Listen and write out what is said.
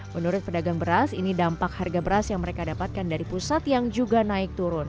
menurut pedagang beras ini dampak harga beras yang mereka dapatkan dari pusat yang juga naik turun